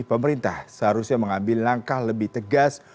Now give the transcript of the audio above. pemerintah seharusnya mengambil langkah lebih tegas